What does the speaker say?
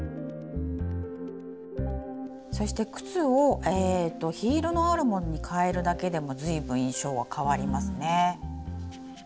そして靴をヒールのあるものに変えるだけでも随分印象は変わりますね。